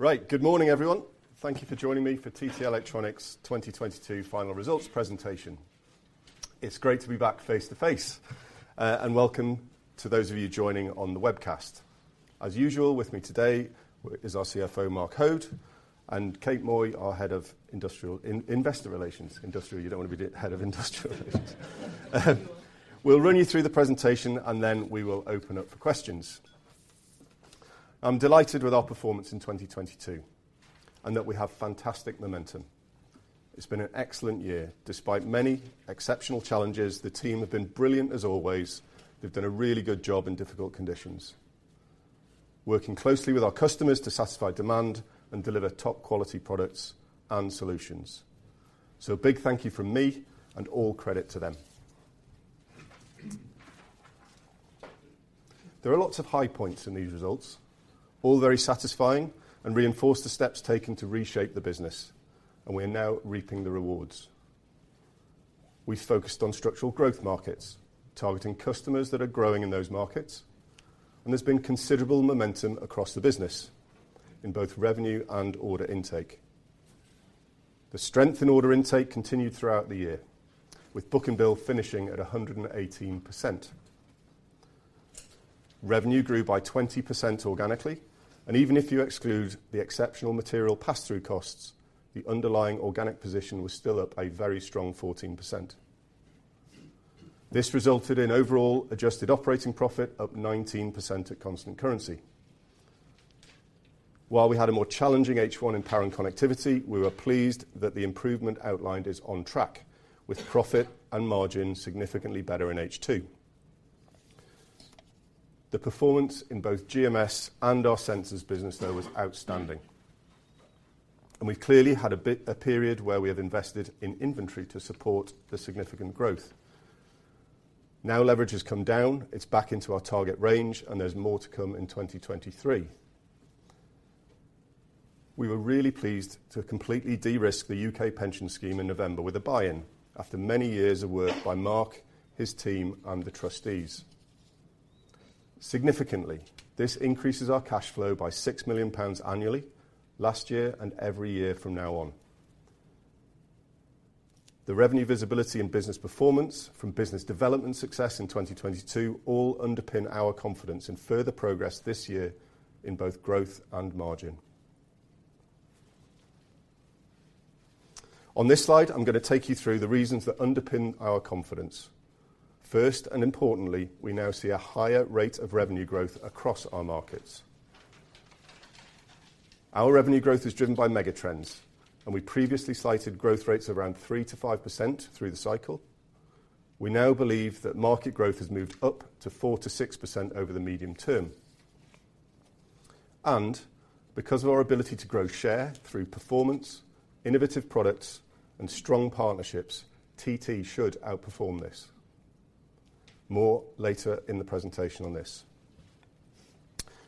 Right. Good morning, everyone. Thank you for joining me for TT Electronics' 2022 final results presentation. It's great to be back face-to-face. Welcome to those of you joining on the webcast. As usual, with me today is our CFO, Mark Hoad, and Kate Moy, our head of investor relations. Industrial, you don't wanna be the head of industrial relations. We'll run you through the presentation. We will open up for questions. I'm delighted with our performance in 2022, and that we have fantastic momentum. It's been an excellent year. Despite many exceptional challenges, the team have been brilliant as always. They've done a really good job in difficult conditions, working closely with our customers to satisfy demand and deliver top-quality products and solutions. A big thank you from me and all credit to them. There are lots of high points in these results, all very satisfying and reinforce the steps taken to reshape the business, and we're now reaping the rewards. We focused on structural growth markets, targeting customers that are growing in those markets, and there's been considerable momentum across the business in both revenue and order intake. The strength in order intake continued throughout the year, with book-to-bill finishing at 118%. Revenue grew by 20% organically, and even if you exclude the exceptional material pass-through costs, the underlying organic position was still up a very strong 14%. This resulted in overall adjusted operating profit up 19% at constant currency. While we had a more challenging power and connectivity, we were pleased that the improvement outlined is on track, with profit and margin significantly better in H2. The performance in both GMS and our sensors business, though, was outstanding. We've clearly had a period where we have invested in inventory to support the significant growth. Now leverage has come down, it's back into our target range, and there's more to come in 2023. We were really pleased to completely de-risk the U.K. pension scheme in November with a buy-in, after many years of work by Mark, his team, and the trustees. Significantly, this increases our cash flow by 6 million pounds annually, last year and every year from now on. The revenue visibility and business performance from business development success in 2022 all underpin our confidence in further progress this year in both growth and margin. On this slide, I'm gonna take you through the reasons that underpin our confidence. First, and importantly, we now see a higher rate of revenue growth across our markets. Our revenue growth is driven by megatrends, and we previously cited growth rates around 3%-5% through the cycle. We now believe that market growth has moved up to 4%-6% over the medium term. Because of our ability to grow share through performance, innovative products, and strong partnerships, TT should outperform this. More later in the presentation on this.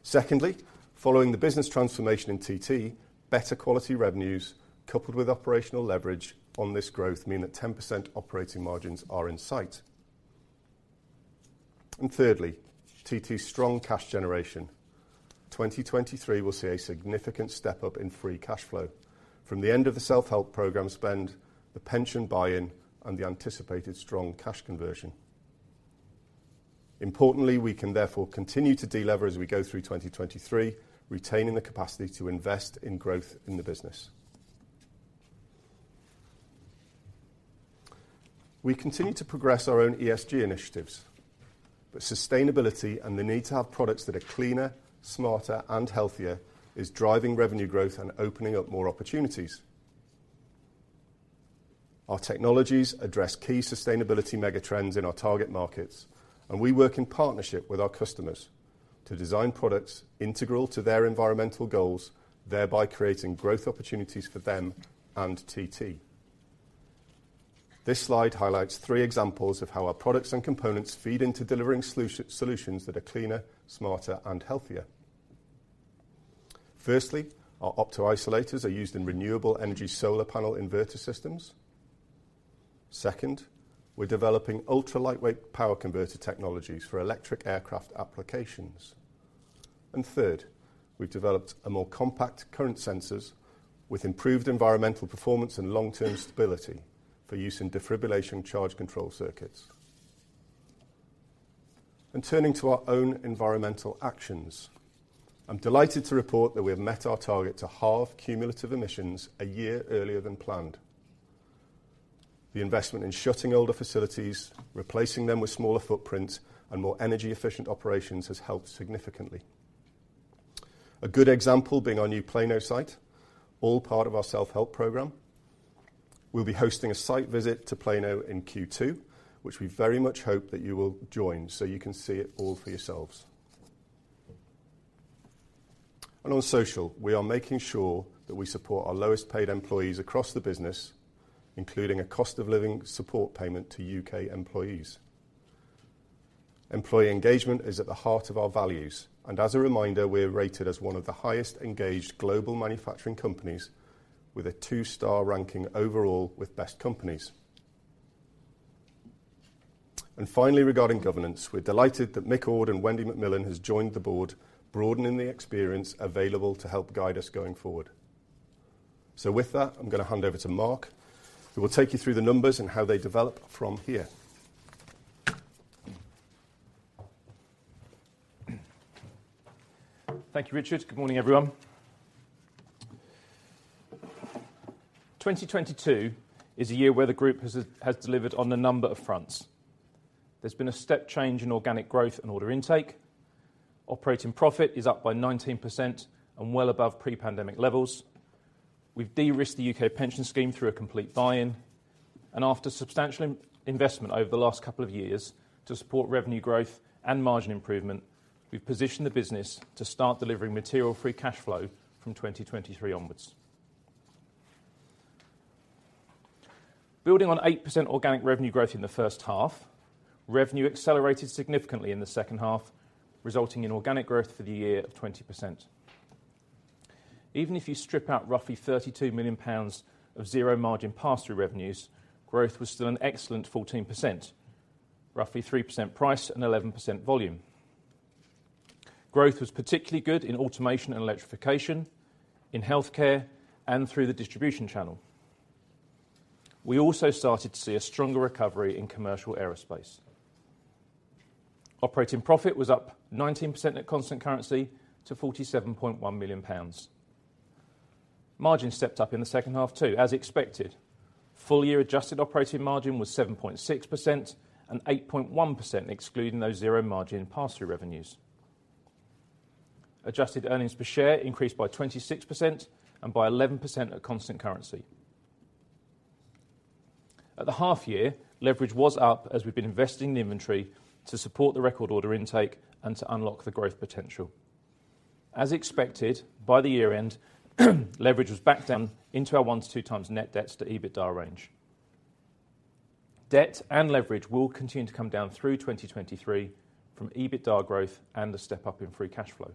Secondly, following the business transformation in TT, better quality revenues coupled with operational leverage on this growth mean that 10% operating margins are in sight. Thirdly, TT's strong cash generation. 2023 will see a significant step-up in free cash flow from the end of the self-help program spend, the pension buy-in, and the anticipated strong cash conversion. Importantly, we can therefore continue to delever as we go through 2023, retaining the capacity to invest in growth in the business. We continue to progress our own ESG initiatives, sustainability and the need to have products that are cleaner, smarter, and healthier is driving revenue growth and opening up more opportunities. Our technologies address key sustainability megatrends in our target markets, we work in partnership with our customers to design products integral to their environmental goals, thereby creating growth opportunities for them and TT. This slide highlights three examples of how our products and components feed into delivering solutions that are cleaner, smarter, and healthier. Firstly, our optoisolators are used in renewable energy solar panel inverter systems. Second, we're developing ultra-lightweight power converter technologies for electric aircraft applications. Third, we've developed a more compact current sensors with improved environmental performance and long-term stability for use in defibrillation charge control circuits. Turning to our own environmental actions, I'm delighted to report that we have met our target to halve cumulative emissions a year earlier than planned. The investment in shutting older facilities, replacing them with smaller footprints and more energy-efficient operations has helped significantly. A good example being our new Plano site, all part of our self-help Program. We'll be hosting a site visit to Plano in Q2, which we very much hope that you will join so you can see it all for yourselves. On social, we are making sure that we support our lowest-paid employees across the business, including a cost-of-living support payment to U.K. employees. Employee engagement is at the heart of our values, as a reminder, we are rated as one of the highest engaged global manufacturing companies with a two-star ranking overall with Best Companies. Finally, regarding governance, we're delighted that Mick Ord and Wendy Macmillan has joined the board, broadening the experience available to help guide us going forward. With that, I'm gonna hand over to Mark, who will take you through the numbers and how they develop from here. Thank you, Richard. Good morning, everyone. 2022 is a year where the group has delivered on a number of fronts. There's been a step change in organic growth and order intake. Operating profit is up by 19% and well above pre-pandemic levels. We've de-risked the U.K. pension scheme through a complete buy-in. After substantial in-investment over the last couple of years to support revenue growth and margin improvement, we've positioned the business to start delivering material free cash flow from 2023 onwards. Building on 8% organic revenue growth in the first half, revenue accelerated significantly in the second half, resulting in organic growth for the year of 20%. Even if you strip out roughly 32 million pounds of zero margin pass-through revenues, growth was still an excellent 14%, roughly 3% price and 11% volume. Growth was particularly good in automation and electrification, in healthcare, and through the distribution channel. We also started to see a stronger recovery in commercial aerospace. Operating profit was up 19% at constant currency to 47.1 million pounds. Margins stepped up in the second half too, as expected. Full year adjusted operating margin was 7.6% and 8.1% excluding those zero margin pass-through revenues. Adjusted earnings per share increased by 26% and by 11% at constant currency. At the half year, leverage was up as we've been investing the inventory to support the record order intake and to unlock the growth potential. As expected, by the year end, leverage was back down into our 1x-2x net debts to EBITDA range. Debt and leverage will continue to come down through 2023 from EBITDA growth and the step up in free cash flow.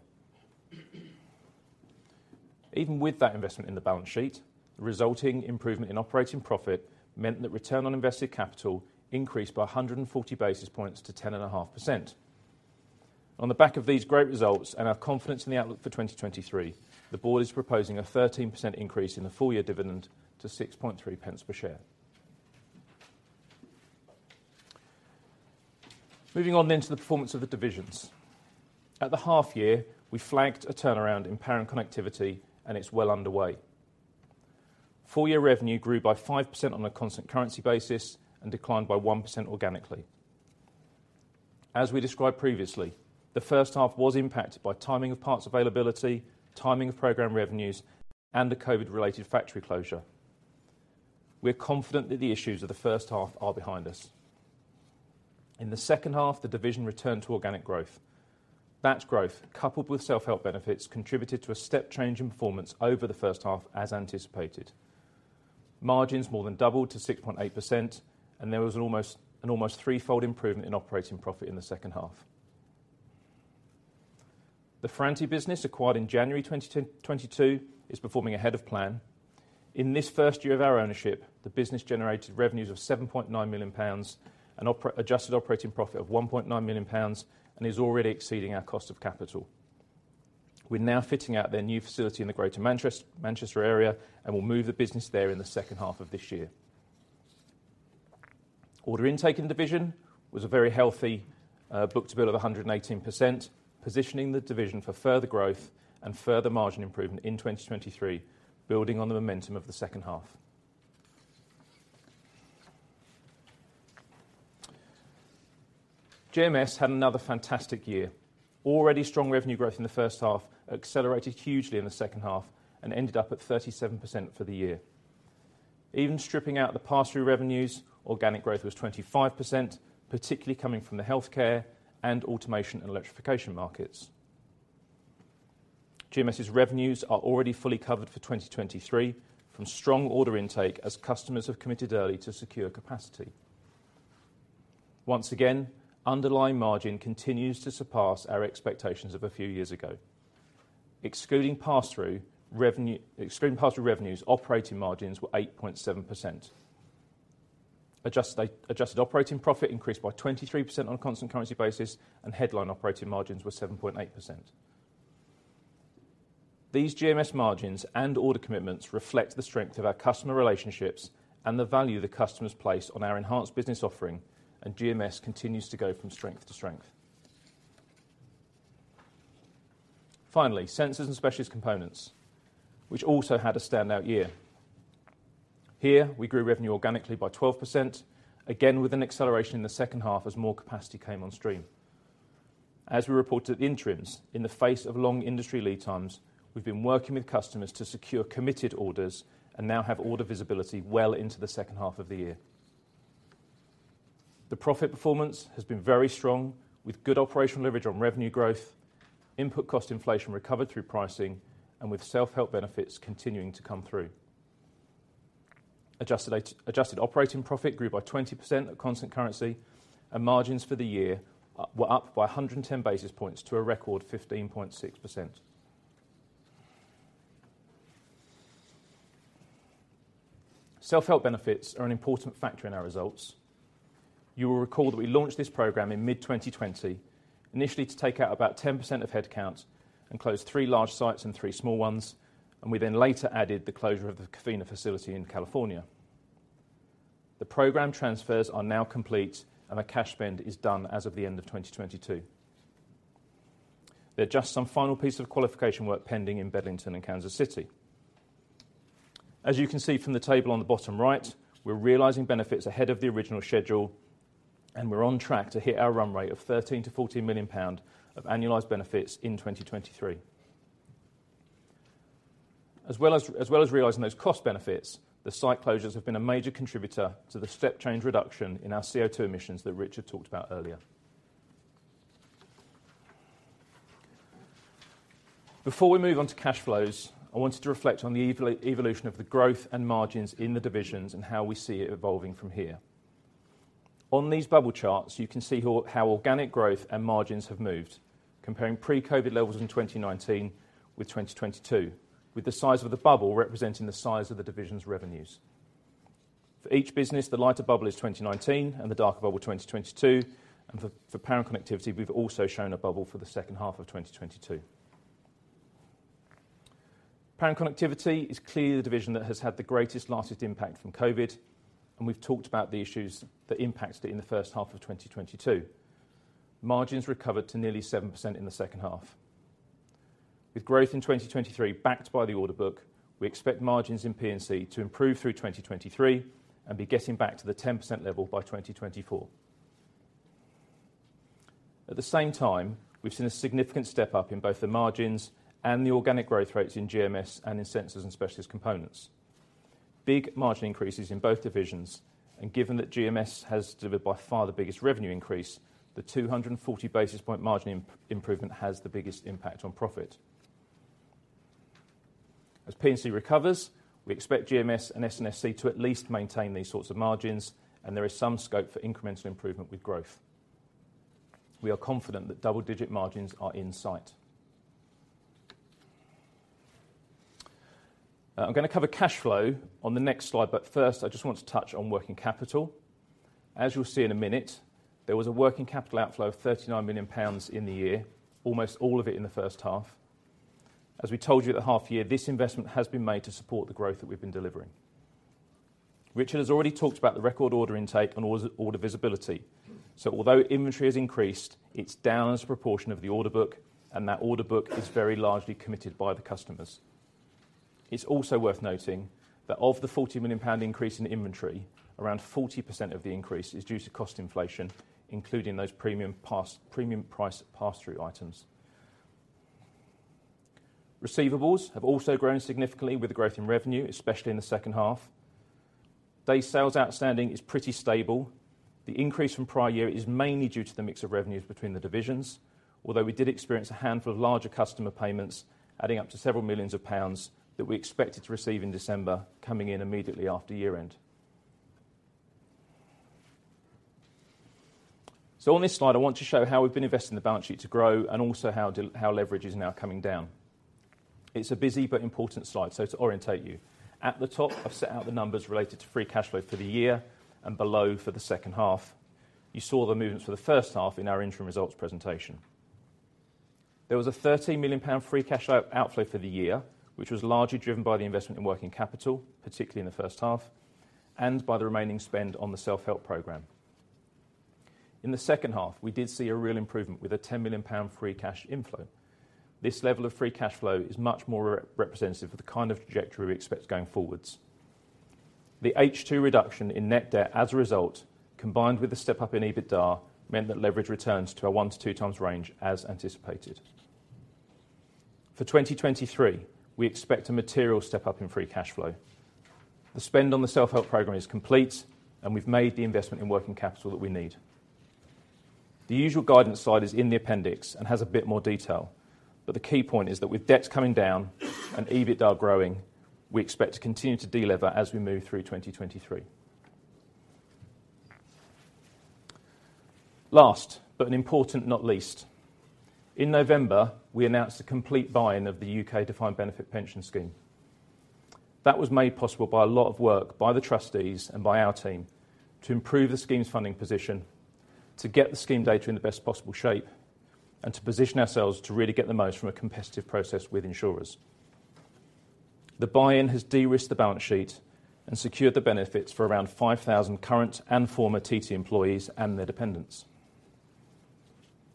Even with that investment in the balance sheet, the resulting improvement in operating profit meant that return on invested capital increased by 140 basis points to 10.5%. On the back of these great results and our confidence in the outlook for 2023, the Board is proposing a 13% increase in the full year dividend to 0.063 per share. Moving on to the performance of the divisions. At the half year, we flagged power and connectivity. It's well underway. Full year revenue grew by 5% on a constant currency basis and declined by 1% organically. As we described previously, the first half was impacted by timing of parts availability, timing of program revenues, and the COVID related factory closure. We're confident that the issues of the first half are behind us. In the second half, the division returned to organic growth. That growth, coupled with self-help benefits, contributed to a step change in performance over the first half as anticipated. Margins more than doubled to 6.8%, and there was an almost threefold improvement in operating profit in the second half. The Ferranti business acquired in January 2022 is performing ahead of plan. In this first year of our ownership, the business generated revenues of 7.9 million pounds, adjusted operating profit of 1.9 million pounds, and is already exceeding our cost of capital. We're now fitting out their new facility in the Greater Manchester area and will move the business there in the second half of this year. Order intake in division was a very healthy book-to-bill of 118%, positioning the division for further growth and further margin improvement in 2023, building on the momentum of the second half. GMS had another fantastic year. Already strong revenue growth in the first half accelerated hugely in the second half and ended up at 37% for the year. Even stripping out the pass-through revenues, organic growth was 25%, particularly coming from the healthcare and automation and electrification markets. GMS' revenues are already fully covered for 2023 from strong order intake as customers have committed early to secure capacity. Once again, underlying margin continues to surpass our expectations of a few years ago. Excluding pass-through revenue, excluding pass-through revenues, operating margins were 8.7%. Adjusted operating profit increased by 23% on a constant currency basis. Headline operating margins were 7.8%. These GMS margins and order commitments reflect the strength of our customer relationships and the value that customers place on our enhanced business offering. GMS continues to go from strength to strength. Finally, Sensors and Specialist Components, which also had a standout year. Here, we grew revenue organically by 12%, again with an acceleration in the second half as more capacity came on stream. As we reported at the interims, in the face of long industry lead times, we've been working with customers to secure committed orders and now have order visibility well into the second half of the year. The profit performance has been very strong with good operational leverage on revenue growth, input cost inflation recovered through pricing, and with self-help benefits continuing to come through. Adjusted operating profit grew by 20% at constant currency, and margins for the year were up by 110 basis points to a record 15.6%. Self-help benefits are an important factor in our results. You will recall that we launched this program in mid-2020, initially to take out about 10% of headcount and close three large sites and three small ones, and we then later added the closure of the Covina facility in California. The program transfers are now complete and our cash spend is done as of the end of 2022. There are just some final pieces of qualification work pending in Bedlington and Kansas City. As you can see from the table on the bottom right, we're realizing benefits ahead of the original schedule, and we're on track to hit our run rate of 13 million-14 million pound of annualized benefits in 2023. As well as realizing those cost benefits, the site closures have been a major contributor to the step change reduction in our CO2 emissions that Richard talked about earlier. Before we move on to cash flows, I wanted to reflect on the evolution of the growth and margins in the divisions and how we see it evolving from here. On these bubble charts, you can see how organic growth and margins have moved, comparing pre-COVID levels in 2019 with 2022, with the size of the bubble representing the size of the division's revenues. For each business, the lighter bubble is 2019 and the power and connectivity, we've also shown a bubble for the power and connectivity is clearly the division that has had the greatest largest impact from COVID, and we've talked about the issues that impacted it in the first half of 2022. Margins recovered to nearly 7% in the second half. With growth in 2023 backed by the order book, we expect margins in P&C to improve through 2023 and be getting back to the 10% level by 2024. At the same time, we've seen a significant step up in both the margins and the organic growth rates in GMS and in Sensors and Specialist Components. Big margin increases in both divisions. Given that GMS has delivered by far the biggest revenue increase, the 240 basis point margin improvement has the biggest impact on profit. As P&C recovers, we expect GMS and SNSC to at least maintain these sorts of margins. There is some scope for incremental improvement with growth. We are confident that double-digit margins are in sight. I'm going to cover cash flow on the next slide. First, I just want to touch on working capital. As you'll see in a minute, there was a working capital outflow of 39 million pounds in the year, almost all of it in the first half. As we told you at the half year, this investment has been made to support the growth that we've been delivering. Richard has already talked about the record order intake and order visibility. Although inventory has increased, it's down as a proportion of the order book, and that order book is very largely committed by the customers. Also worth noting that of the 40 million pound increase in inventory, around 40% of the increase is due to cost inflation, including those premium price pass-through items. Receivables have also grown significantly with the growth in revenue, especially in the second half. Days sales outstanding is pretty stable. The increase from prior year is mainly due to the mix of revenues between the divisions, although we did experience a handful of larger customer payments adding up to several millions of pounds that we expected to receive in December coming in immediately after year-end. On this slide, I want to show how we've been investing the balance sheet to grow and also how leverage is now coming down. It's a busy but important slide. To orientate you, at the top I've set out the numbers related to free cash flow for the year and below for the second half. You saw the movements for the first half in our interim results presentation. There was a 13 million pound free cash outflow for the year, which was largely driven by the investment in working capital, particularly in the first half, and by the remaining spend on the self-help program. In the second half, we did see a real improvement with a 10 million pound free cash inflow. This level of free cash flow is much more representative of the kind of trajectory we expect going forwards. The H2 reduction in net debt as a result, combined with the step up in EBITDA, meant that leverage returns to a 1x-2x range as anticipated. For 2023, we expect a material step up in free cash flow. The spend on the self-help program is complete, we've made the investment in working capital that we need. The usual guidance slide is in the appendix and has a bit more detail, but the key point is that with debts coming down and EBITDA growing, we expect to continue to delever as we move through 2023. Last but an important not least, in November, we announced a complete buy-in of the U.K. defined benefit pension scheme. That was made possible by a lot of work by the trustees and by our team to improve the scheme's funding position, to get the scheme data in the best possible shape, and to position ourselves to really get the most from a competitive process with insurers. The buy-in has de-risked the balance sheet and secured the benefits for around 5,000 current and former TT employees and their dependents.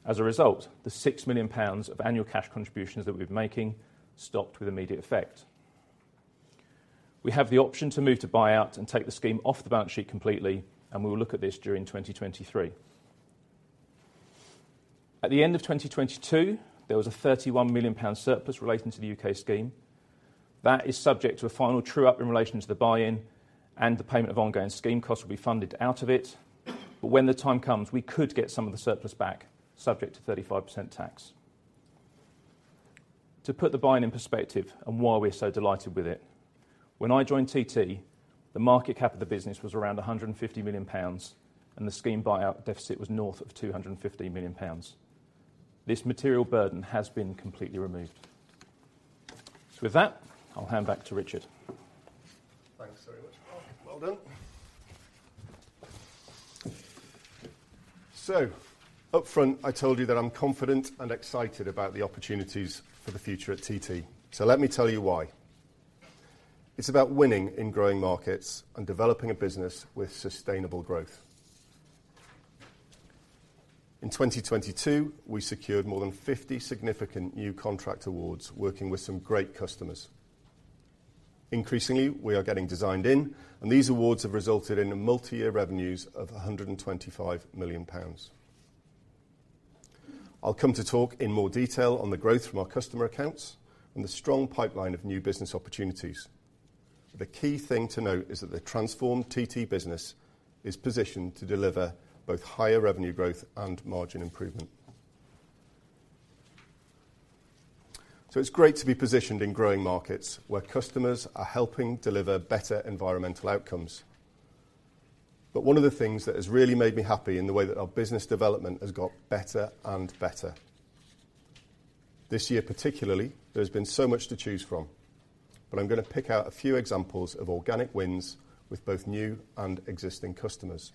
The 6 million pounds of annual cash contributions that we've been making stopped with immediate effect. We have the option to move to buyout and take the scheme off the balance sheet completely. We will look at this during 2023. At the end of 2022, there was a 31 million pound surplus relating to the U.K. scheme. That is subject to a final true-up in relation to the buy-in and the payment of ongoing scheme costs will be funded out of it. When the time comes, we could get some of the surplus back subject to 35% tax. To put the buy-in in perspective and why we're so delighted with it, when I joined TT, the market cap of the business was around 150 million pounds and the scheme buyout deficit was north of 250 million pounds. This material burden has been completely removed. With that, I'll hand back to Richard. Thanks very much, Mark. Well done. Upfront, I told you that I'm confident and excited about the opportunities for the future at TT. Let me tell you why. It's about winning in growing markets and developing a business with sustainable growth. In 2022, we secured more than 50 significant new contract awards working with some great customers. Increasingly, we are getting designed in, and these awards have resulted in multi-year revenues of 125 million pounds. I'll come to talk in more detail on the growth from our customer accounts and the strong pipeline of new business opportunities. The key thing to note is that the transformed TT business is positioned to deliver both higher revenue growth and margin improvement. It's great to be positioned in growing markets where customers are helping deliver better environmental outcomes. One of the things that has really made me happy in the way that our business development has got better and better. This year particularly, there's been so much to choose from, but I'm gonna pick out a few examples of organic wins with both new and existing customers.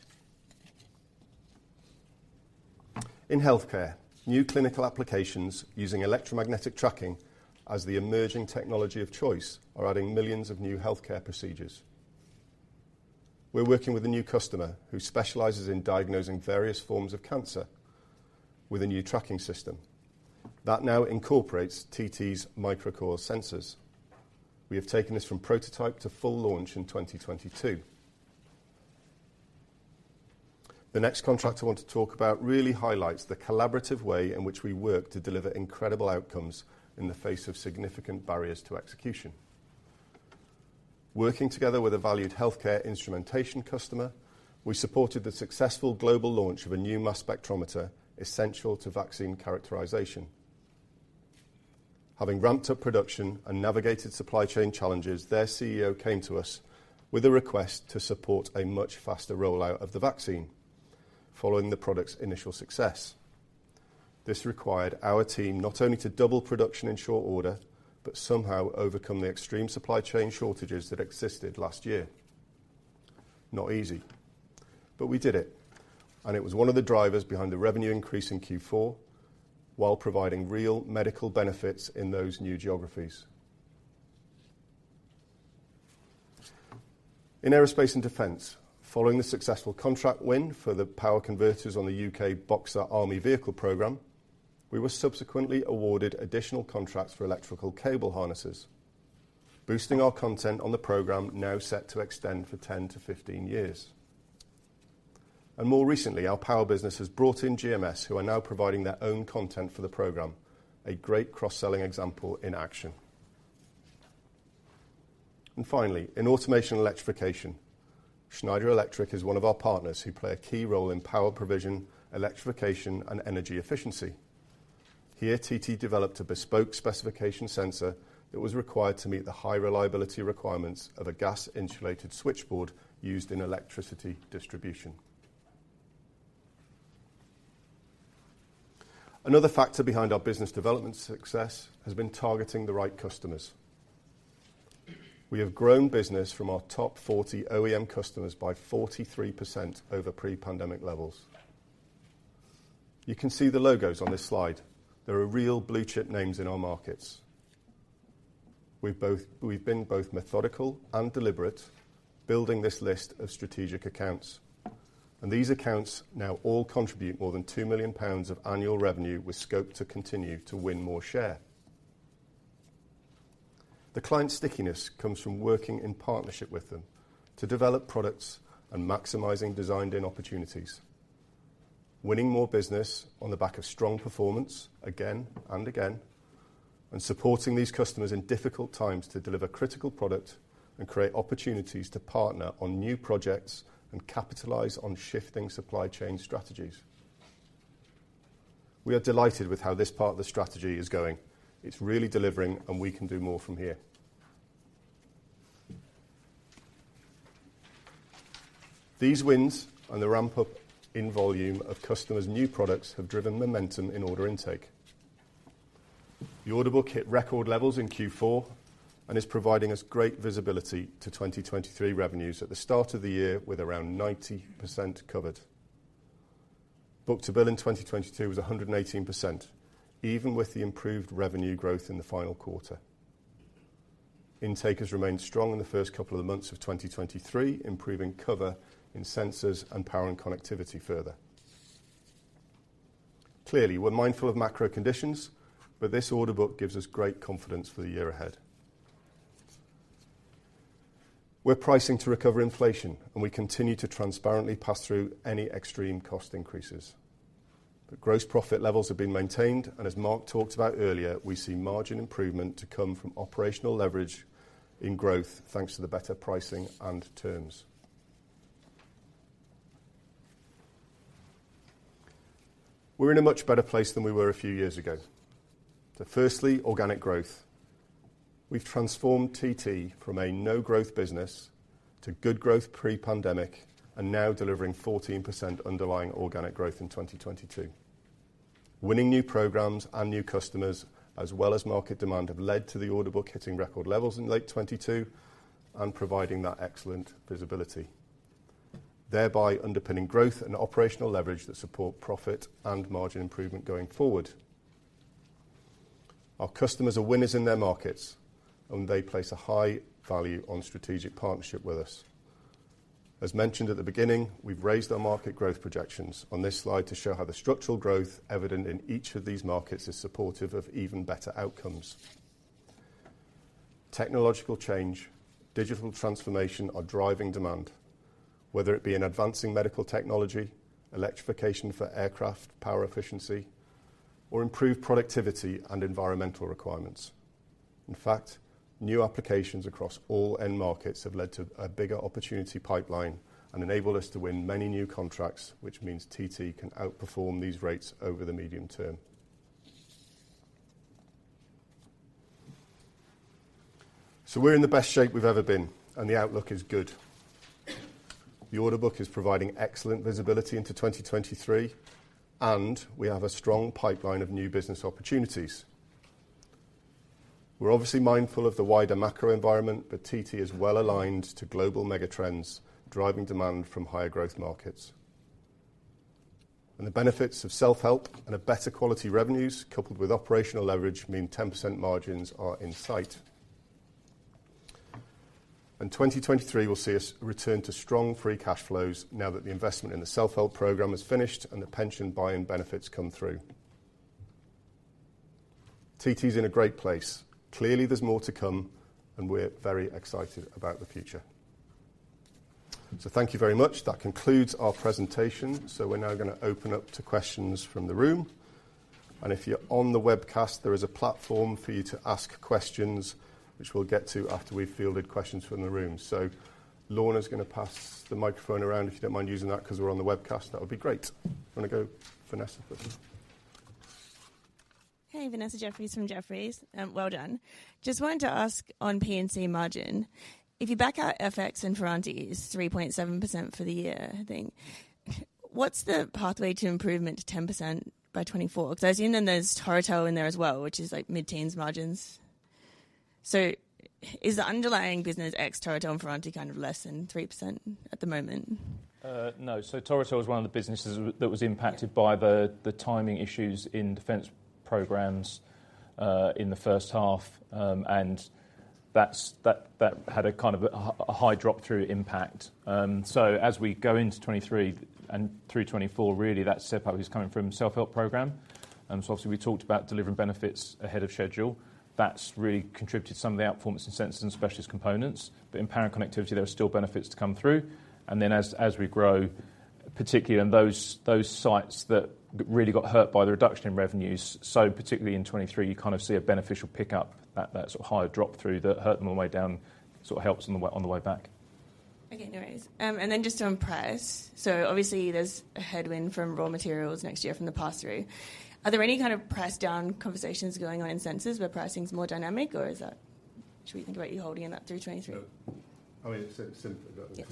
In healthcare, new clinical applications using electromagnetic tracking as the emerging technology of choice are adding millions of new healthcare procedures. We're working with a new customer who specializes in diagnosing various forms of cancer with a new tracking system that now incorporates TT's MicroCore sensors. We have taken this from prototype to full launch in 2022. The next contract I want to talk about really highlights the collaborative way in which we work to deliver incredible outcomes in the face of significant barriers to execution. Working together with a valued healthcare instrumentation customer, we supported the successful global launch of a new mass spectrometer, essential to vaccine characterization. Having ramped up production and navigated supply chain challenges, their CEO came to us with a request to support a much faster rollout of the vaccine following the product's initial success. This required our team not only to double production in short order, but somehow overcome the extreme supply chain shortages that existed last year. Not easy, but we did it, and it was one of the drivers behind the revenue increase in Q4 while providing real medical benefits in those new geographies. In aerospace and defense, following the successful contract win for the power converters on the U.K. Boxer army vehicle program, we were subsequently awarded additional contracts for electrical cable harnesses, boosting our content on the program now set to extend for 10-15 years. More recently, our power business has brought in GMS, who are now providing their own content for the program, a great cross-selling example in action. Finally, in automation electrification, Schneider Electric is one of our partners who play a key role in power provision, electrification, and energy efficiency. Here, TT developed a bespoke specification sensor that was required to meet the high reliability requirements of a gas-insulated switchboard used in electricity distribution. Another factor behind our business development success has been targeting the right customers. We have grown business from our top 40 OEM customers by 43% over pre-pandemic levels. You can see the logos on this slide. There are real blue chip names in our markets. We've been both methodical and deliberate building this list of strategic accounts. These accounts now all contribute more than 2 million pounds of annual revenue with scope to continue to win more share. The client stickiness comes from working in partnership with them to develop products and maximizing designed-in opportunities, winning more business on the back of strong performance again and again, and supporting these customers in difficult times to deliver critical product and create opportunities to partner on new projects and capitalize on shifting supply chain strategies. We are delighted with how this part of the strategy is going. It's really delivering. We can do more from here. These wins and the ramp up in volume of customers' new products have driven momentum in order intake. The order book hit record levels in Q4 and is providing us great visibility to 2023 revenues at the start of the year with around 90% covered. book-to-bill in 2022 was 118%, even with the improved revenue growth in the final quarter. Intake has remained strong in the first couple of months of 2023, improving power and connectivity further. Clearly, we're mindful of macro conditions, but this order book gives us great confidence for the year ahead. We're pricing to recover inflation, we continue to transparently pass through any extreme cost increases. The gross profit levels have been maintained, as Mark talked about earlier, we see margin improvement to come from operational leverage in growth, thanks to the better pricing and terms. We're in a much better place than we were a few years ago. Firstly, organic growth. We've transformed TT from a no-growth business to good growth pre-pandemic, and now delivering 14% underlying organic growth in 2022. Winning new programs and new customers, as well as market demand, have led to the order book hitting record levels in late 2022 and providing that excellent visibility, thereby underpinning growth and operational leverage that support profit and margin improvement going forward. Our customers are winners in their markets, and they place a high value on strategic partnership with us. As mentioned at the beginning, we've raised our market growth projections on this slide to show how the structural growth evident in each of these markets is supportive of even better outcomes. Technological change, digital transformation are driving demand, whether it be in advancing medical technology, electrification for aircraft, power efficiency, or improved productivity and environmental requirements. In fact, new applications across all end markets have led to a bigger opportunity pipeline and enabled us to win many new contracts, which means TT can outperform these rates over the medium term. We're in the best shape we've ever been, and the outlook is good. The order book is providing excellent visibility into 2023, and we have a strong pipeline of new business opportunities. We're obviously mindful of the wider macro environment, but TT is well aligned to global mega trends, driving demand from higher growth markets. The benefits of self-help and a better quality revenues coupled with operational leverage mean 10% margins are in sight. 2023 will see us return to strong free cash flows now that the investment in the self-help program is finished and the pension buy-in benefits come through. TT is in a great place. Clearly, there's more to come, we're very excited about the future. Thank you very much. That concludes our presentation. We're now gonna open up to questions from the room. If you're on the webcast, there is a platform for you to ask questions which we'll get to after we've fielded questions from the room. Lorna is gonna pass the microphone around. If you don't mind using that because we're on the webcast, that would be great. Wanna go, Vanessa? Hey, Vanessa Jeffriess from Jefferies. Well done. Just wanted to ask on P&C margin, if you back out FX and Ferranti, it's 3.7% for the year, I think. What's the pathway to improvement to 10% by 2024? I assume there's Torotel in there as well, which is like mid-teens margins. Is the underlying business ex Torotel and Ferranti kind of less than 3% at the moment? No. Torotel is one of the businesses that was impacted by the timing issues in defense programs in the first half, and that had a kind of a high drop through impact. As we go into 2023 and through 2024, really that step up is coming from self-help program. Obviously we talked about delivering benefits ahead of schedule. That's really contributed to some of the outperformance in Sensors and Specialist Components, there are still benefits to come through. Then as we grow, particularly in those sites that really got hurt by the reduction in revenues. Particularly in 2023, you kind of see a beneficial pickup, that higher drop through that hurt them on the way down, sort of helps on the way back. Okay, no worries. Just on price. Obviously there's a headwind from raw materials next year from the pass-through. Are there any kind of price down conversations going on in sensors where pricing is more dynamic, or should we think about you holding that through 2023? I mean, Yeah.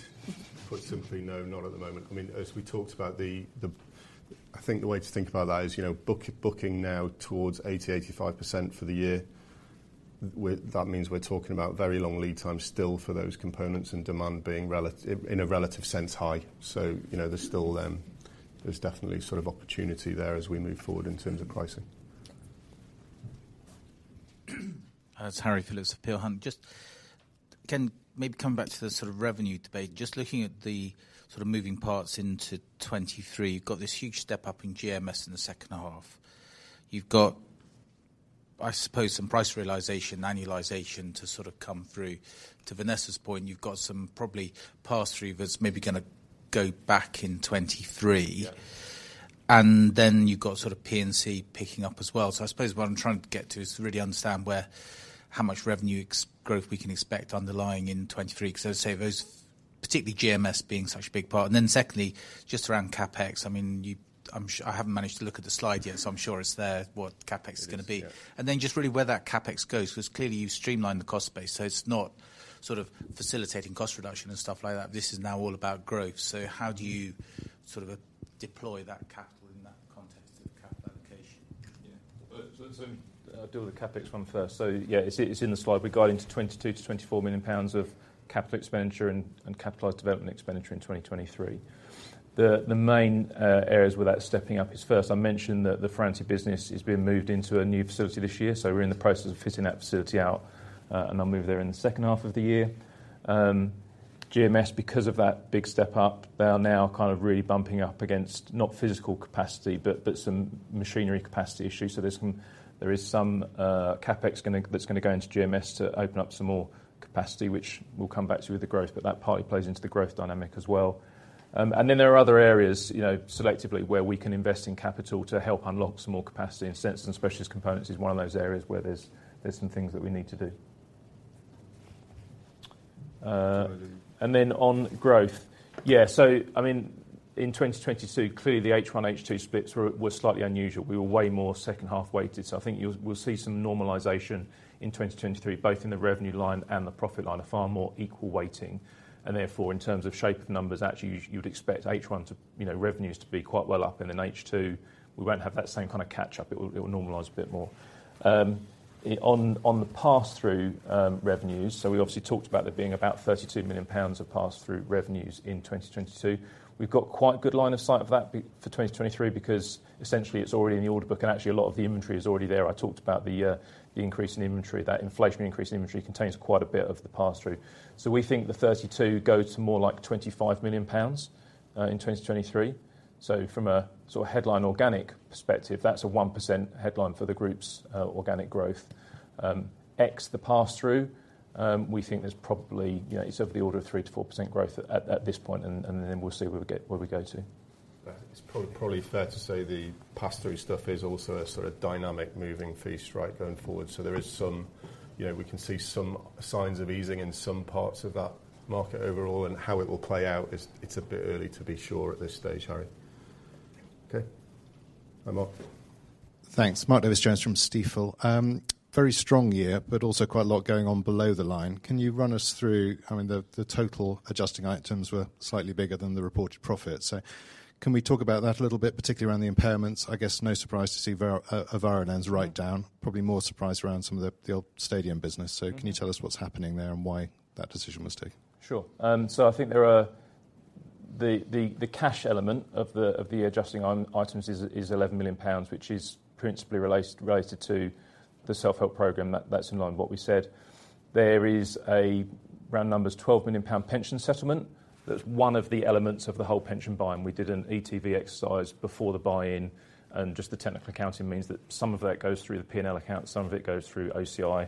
Put simply, no, not at the moment. I mean, as we talked about, I think the way to think about that is, you know, booking now towards 80%-85% for the year. That means we're talking about very long lead time still for those components and demand being in a relative sense, high. You know, there's still, there's definitely sort of opportunity there as we move forward in terms of pricing. It's Harry Philips of Peel Hunt. Just, can maybe coming back to the sort of revenue debate. Just looking at the sort of moving parts into 2023, you've got this huge step-up in GMS in the second half. You've got, I suppose, some price realization, annualization to sort of come through. To Vanessa's point, you've got some probably pass-through that's maybe gonna go back in 2023. Yeah. You've got sort of P&C picking up as well. I suppose what I'm trying to get to is to really understand where how much revenue growth we can expect underlying in 2023, 'cause I would say those, particularly GMS being such a big part. Secondly, just around CapEx, I mean, you I haven't managed to look at the slide yet, so I'm sure it's there what CapEx is gonna be. It is, yeah. Just really where that CapEx goes, because clearly you've streamlined the cost base, so it's not sort of facilitating cost reduction and stuff like that. This is now all about growth. How do you sort of deploy that capital in that context of capital allocation? Yeah. So I'll deal with the CapEx one first. Yeah, it's in the slide. We got into 22 million-24 million pounds of capital expenditure and capitalized development expenditure in 2023. The main areas where that's stepping up is, first, I mentioned that the Ferranti business is being moved into a new facility this year, we're in the process of fitting that facility out, and they'll move there in the second half of the year. GMS, because of that big step up, they are now kind of really bumping up against, not physical capacity, but some machinery capacity issues. There is some CapEx that's gonna go into GMS to open up some more capacity, which we'll come back to with the growth, but that partly plays into the growth dynamic as well. There are other areas, you know, selectively, where we can invest in capital to help unlock some more capacity. Sensors and Specialist Components is one of those areas where there's some things that we need to do. Then on growth. Yeah. I mean, in 2022, clearly the H1, H2 splits were slightly unusual. We were way more second half weighted. I think we'll see some normalization in 2023, both in the revenue line and the profit line are far more equal weighting. Therefore, in terms of shape of numbers, actually, you'd expect H1 to, you know, revenues to be quite well up. In H2, we won't have that same kind of catch up. It will normalize a bit more. On the pass-through revenues, we obviously talked about there being about 32 million pounds of pass-through revenues in 2022. We've got quite good line of sight of that for 2023, because essentially it's already in the order book, and actually a lot of the inventory is already there. I talked about the increase in inventory. That inflation increase in inventory contains quite a bit of the pass-through. We think the 32 goes more like 25 million pounds in 2023. From a sort of headline organic perspective, that's a 1% headline for the group's organic growth. X the pass-through, we think there's probably, you know, it's of the order of 3%-4% growth at this point and then we'll see where we go to. It's probably fair to say the pass-through stuff is also a sort of dynamic moving feast, right, going forward. There is some, you know, we can see some signs of easing in some parts of that market overall and how it will play out is it's a bit early to be sure at this stage, Harry. Okay. Hi, Mark. Thanks. Mark Davies Jones from Stifel. Very strong year, but also quite a lot going on below the line. Can you run us through, I mean, the total adjusting items were slightly bigger than the reported profit? Can we talk about that a little bit, particularly around the impairments? I guess no surprise to see a warrants write down. Probably more surprise around some of the old Stadium business. Mm-hmm. Can you tell us what's happening there and why that decision was taken? Sure. I think the cash element of the adjusting items is 11 million pounds, which is principally related to the self-help program. That's in line with what we said. There is a round numbers 12 million pound pension settlement. That's one of the elements of the whole pension buy-in. We did an ETV exercise before the buy-in, just the technical accounting means that some of that goes through the P&L account, some of it goes through OCI.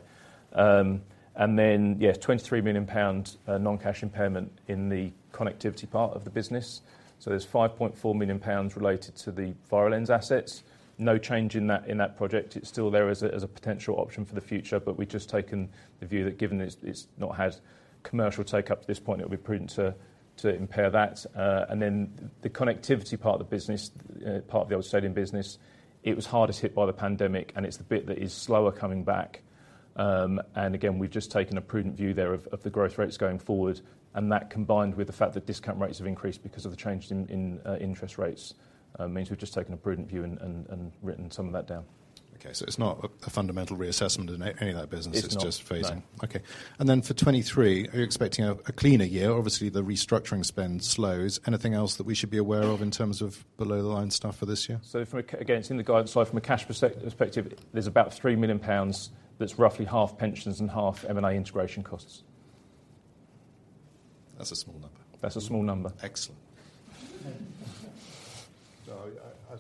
Yeah, 23 million pound non-cash impairment in the connectivity part of the business. There's 5.4 million pounds related to the foreign assets. No change in that project. It's still there as a potential option for the future, but we've just taken the view that given it's not had commercial take up to this point, it would be prudent to impair that. The connectivity part of the business, part of the old Stadium business, it was hardest hit by the pandemic, and it's the bit that is slower coming back. Again, we've just taken a prudent view there of the growth rates going forward, and that combined with the fact that discount rates have increased because of the change in interest rates, means we've just taken a prudent view and written some of that down. Okay. It's not a fundamental reassessment in any of that business. It's not, no. It's just phasing. Okay. For 2023, are you expecting a cleaner year? Obviously, the restructuring spend slows. Anything else that we should be aware of in terms of below the line stuff for this year? Again, it's in the guidance slide from a cash perspective, there's about 3 million pounds that's roughly half pensions and half M&A integration costs. That's a small number. That's a small number. Excellent.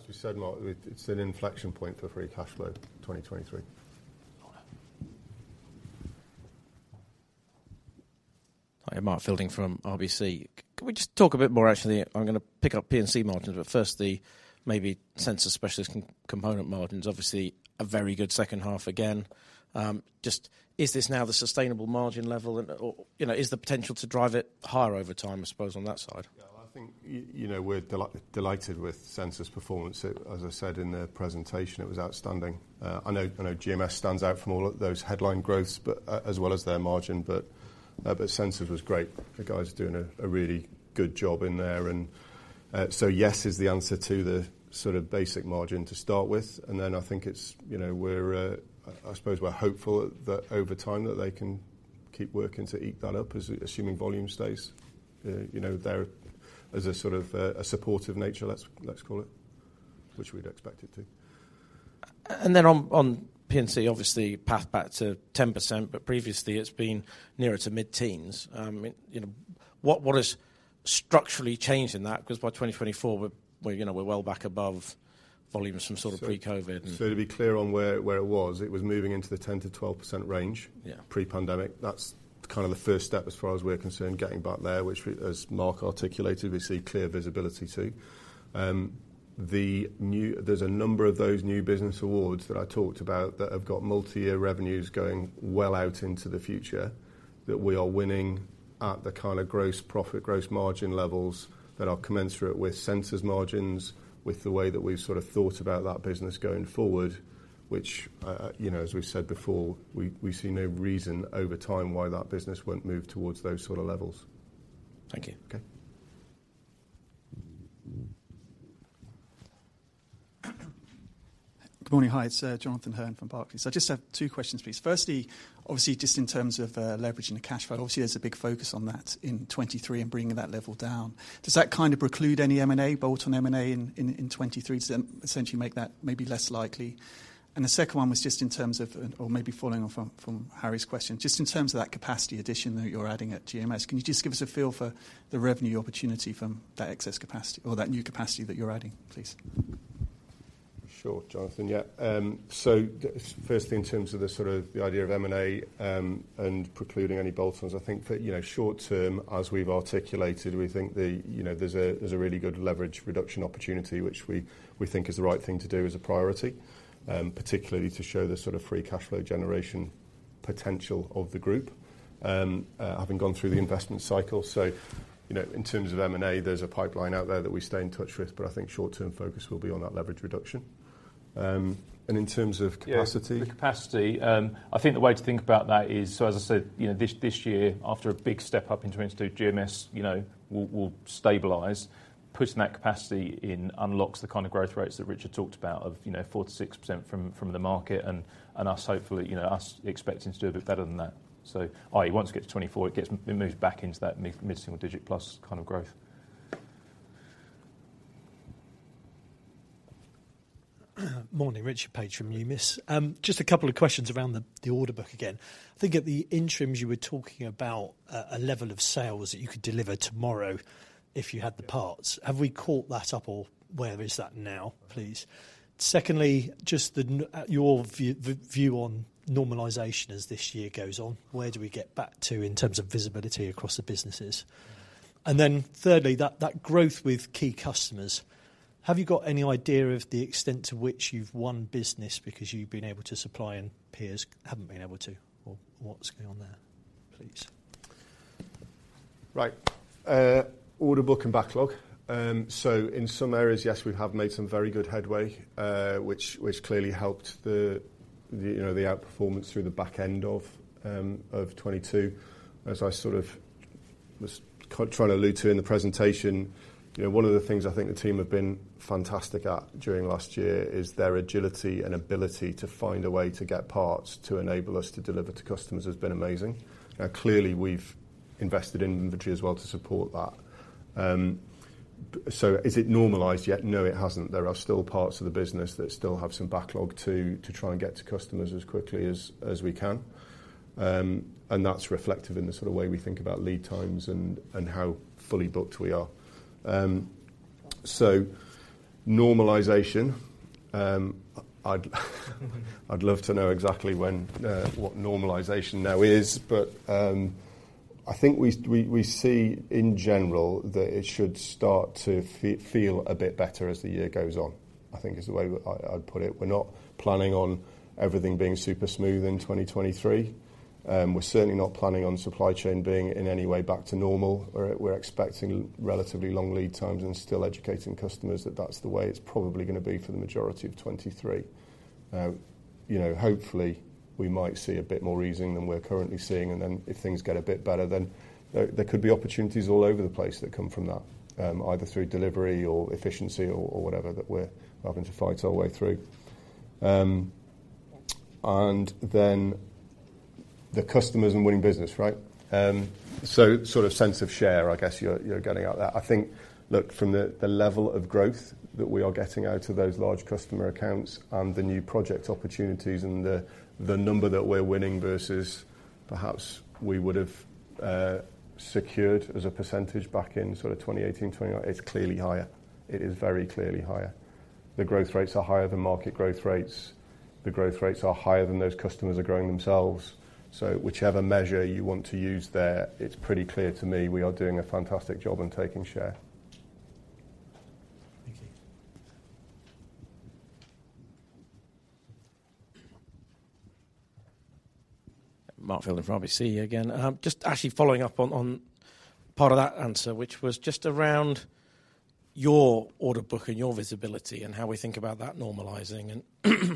as we said, Mark, it's an inflection point for free cash flow 2023. Got it. Hi, Mark Fielding from RBC. Could we just talk a bit more actually, I'm gonna pick up P&C margins, but first the maybe Sensors and Specialist Components margins, obviously a very good second half again. Just is this now the sustainable margin level and or, you know, is the potential to drive it higher over time, I suppose, on that side? Yeah. I think, you know, we're delighted with sensors' performance. It, as I said in the presentation, it was outstanding. I know GMS stands out from all of those headline growths, as well as their margin. Sensors was great. The guys are doing a really good job in there. Yes is the answer to the sort of basic margin to start with. I think it's, you know, we're, I suppose we're hopeful that over time that they can keep working to eat that up as assuming volume stays, you know, there as a sort of a supportive nature, let's call it, which we'd expect it to. Then on P&C, obviously path back to 10%, previously it's been nearer to mid-teens. You know, what has structurally changed in that? By 2024, you know, we're well back above volume of some sort of pre-COVID. To be clear on where it was moving into the 10%-12% range. Yeah... pre-pandemic. That's kind of the first step as far as we're concerned, getting back there, which we, as Mark articulated, we see clear visibility to. There's a number of those new business awards that I talked about that have got multi-year revenues going well out into the future that we are winning at the kind of gross profit, gross margin levels that are commensurate with sensors margins, with the way that we've sort of thought about that business going forward, which, you know, as we've said before, we see no reason over time why that business won't move towards those sort of levels. Thank you. Okay. Good morning. Hi, it's Jonathan Hurn from Barclays. I just have two questions, please. Firstly, obviously, just in terms of leveraging the cash flow, obviously, there's a big focus on that in 2023 and bringing that level down. Does that kind of preclude any M&A, bolt on M&A in, in 2023 to then essentially make that maybe less likely? The second one was just in terms of, or maybe following on from Harry's question, just in terms of that capacity addition that you're adding at GMS, can you just give us a feel for the revenue opportunity from that excess capacity or that new capacity that you're adding, please? Sure, Jonathan. Yeah. Firstly, in terms of the sort of the idea of M&A, and precluding any bolt ons, I think that, you know, short-term, as we've articulated, we think the, you know, there's a, there's a really good leverage reduction opportunity, which we think is the right thing to do as a priority, particularly to show the sort of free cash flow generation potential of the group, having gone through the investment cycle. You know, in terms of M&A, there's a pipeline out there that we stay in touch with, but I think short-term focus will be on that leverage reduction. In terms of capacity? Yeah, the capacity, I think the way to think about that is. As I said, you know, this year, after a big step up in 2022, GMS, you know, will stabilize. Putting that capacity in unlocks the kind of growth rates that Richard talked about of, you know, 4%-6% from the market and us hopefully, you know, us expecting to do a bit better than that. i.e. once you get to 2024, it moves back into that mid-single digit plus kind of growth. Morning, Richard Paige from Numis, just a couple of questions around the order book again. I think at the interims you were talking about a level of sales that you could deliver tomorrow if you had the parts. Have we caught that up or where is that now, please? Secondly, just your view on normalization as this year goes on. Where do we get back to in terms of visibility across the businesses? Thirdly, that growth with key customers, have you got any idea of the extent to which you've won business because you've been able to supply and peers haven't been able to, or what's going on there, please? Right. Order book and backlog. In some areas, yes, we have made some very good headway, which clearly helped the, you know, the outperformance through the back end of 2022. As I sort of was trying to allude to in the presentation, you know, one of the things I think the team have been fantastic at during last year is their agility and ability to find a way to get parts to enable us to deliver to customers has been amazing. Now, clearly, we've invested in inventory as well to support that. Is it normalized yet? No, it hasn't. There are still parts of the business that still have some backlog to try and get to customers as quickly as we can. That's reflected in the sort of way we think about lead times and how fully booked we are. Normalization. I'd love to know exactly when, what normalization now is. I think we see in general that it should start to feel a bit better as the year goes on, I think is the way I'd put it. We're not planning on everything being super smooth in 2023. We're certainly not planning on supply chain being in any way back to normal. We're expecting relatively long lead times and still educating customers that that's the way it's probably gonna be for the majority of 2023. You know, hopefully, we might see a bit more easing than we're currently seeing, and then if things get a bit better, then there could be opportunities all over the place that come from that, either through delivery or efficiency or whatever that we're having to fight our way through. The customers and winning business, right? Sort of sense of share, I guess you're getting at that. I think, look, from the level of growth that we are getting out of those large customer accounts and the new project opportunities and the number that we're winning versus perhaps we would have secured as a percentage back in sort of 2018, 2019, it's clearly higher. It is very clearly higher. The growth rates are higher than market growth rates. The growth rates are higher than those customers are growing themselves. Whichever measure you want to use there, it's pretty clear to me we are doing a fantastic job and taking share. Thank you. Mark Fielding from RBC again. Just actually following up on part of that answer, which was just around your order book and your visibility and how we think about that normalizing. And.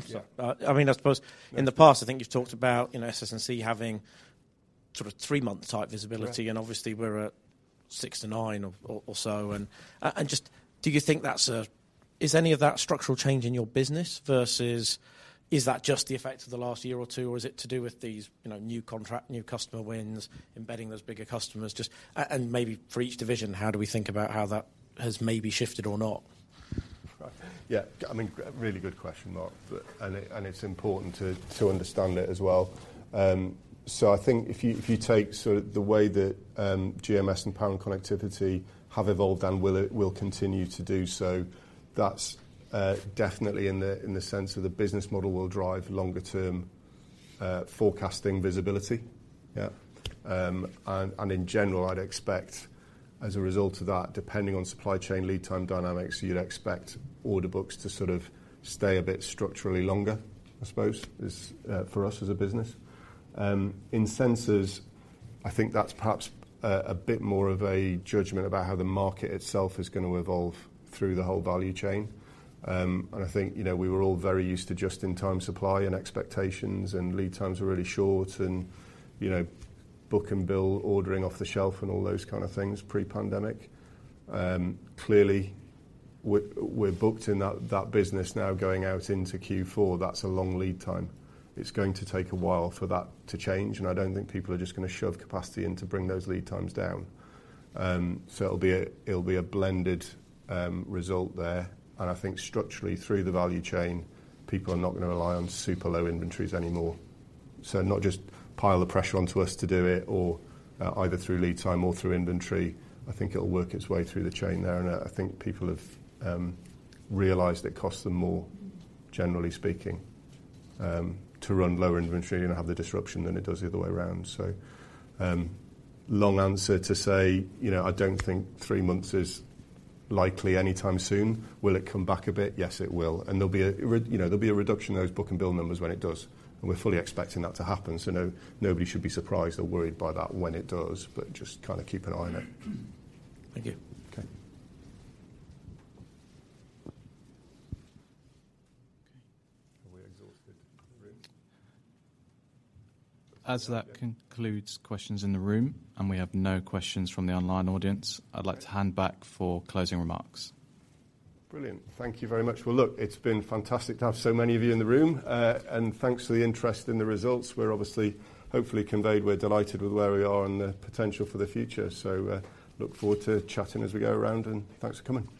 Yeah. I mean, I suppose in the past, I think you've talked about, you know, SS&C having sort of three-month type visibility. Yeah. Obviously we're at six to nine or so. Is any of that structural change in your business versus is that just the effect of the last year or two, or is it to do with these, you know, new contract, new customer wins, embedding those bigger customers? Just, and maybe for each division, how do we think about how that has maybe shifted or not? Right. Yeah, I mean, really good question, Mark, but... It's important to understand it as well. I think if you take sort of the way that GMS and power and connectivity have evolved and will continue to do so, that's definitely in the sense of the business model will drive longer-term forecasting visibility. Yeah. In general, I'd expect as a result of that, depending on supply chain lead time dynamics, you'd expect order books to sort of stay a bit structurally longer, I suppose, is for us as a business. In sensors, I think that's perhaps a bit more of a judgment about how the market itself is gonna evolve through the whole value chain. I think, you know, we were all very used to just-in-time supply and expectations, and lead times were really short and, you know, book and bill ordering off the shelf and all those kind of things pre-pandemic. Clearly, we're booked in that business now going out into Q4. That's a long lead time. It's going to take a while for that to change, I don't think people are just gonna shove capacity in to bring those lead times down. It'll be a blended result there. I think structurally through the value chain, people are not gonna rely on super low inventories anymore. Not just pile the pressure onto us to do it or either through lead time or through inventory. I think it'll work its way through the chain there. I think people have realized it costs them more, generally speaking, to run lower inventory and have the disruption than it does the other way around. Long answer to say, you know, I don't think three months is likely anytime soon. Will it come back a bit? Yes, it will. There'll be a, you know, there'll be a reduction in those book and bill numbers when it does, and we're fully expecting that to happen. No, nobody should be surprised or worried by that when it does, but just kind of keep an eye on it. Thank you. Okay. Okay. Are we exhausted the room? As that concludes questions in the room, and we have no questions from the online audience, I'd like to hand back for closing remarks. Brilliant. Thank you very much. Well, look, it's been fantastic to have so many of you in the room. Thanks for the interest in the results. We're obviously hopefully conveyed we're delighted with where we are and the potential for the future. Look forward to chatting as we go around, and thanks for coming.